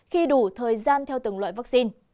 khi đủ thời gian theo từng loại vaccine